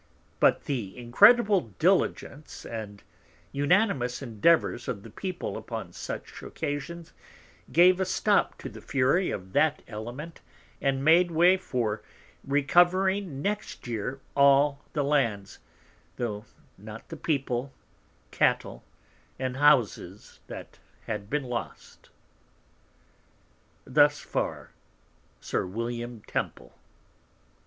But the incredible Diligence and unanimous Endeavours of the People upon such occasions, gave a stop to the Fury of that Element, and made way for recovering next Year all the Lands, though not the People, Cattel, and Houses that had been lost.' Thus far Sir William Temple.